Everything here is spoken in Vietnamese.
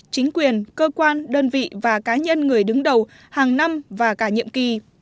chính quyền cơ quan đơn vị và cá nhân người đứng đầu hàng năm và cả nhiệm kỳ